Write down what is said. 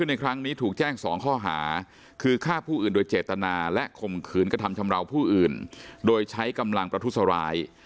ในครั้งนี้ถูกแจ้ง๒ข้อหาคือฆ่าผู้อื่นโดยเจตนาและข่มขืนกระทำชำราวผู้อื่นโดยใช้กำลังประทุษร้าย